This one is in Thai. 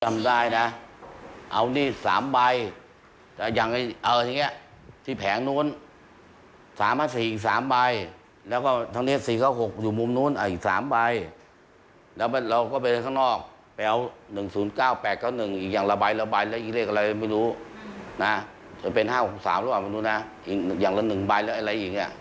ไม่รู้นะจนเป็น๕๖ตามร้านด้วยอย่างละ๑ใบหรืออะไรแยะ